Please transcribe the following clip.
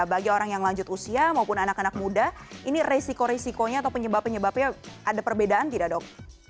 bagi orang yang lanjut usia maupun anak anak muda ini resiko resikonya atau penyebab penyebabnya ada perbedaan tidak dok